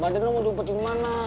badan lo mau diumpetin ke mana